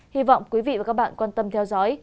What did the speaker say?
hy vọng quý vị và các bạn quan tâm theo dõi